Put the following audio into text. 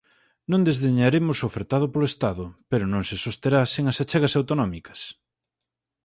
Non desdeñaremos o ofertado polo Estado, pero non se sosterá sen as achegas autonómicas.